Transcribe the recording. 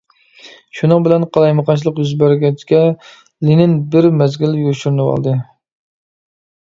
شۇنىڭ بىلەن قالايمىقانچىلىق يۈز بەرگەچكە لېنىن بىر مەزگىل يوشۇرۇنۇۋالدى.